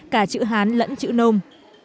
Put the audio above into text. cả chữ hán lẫn chữ nông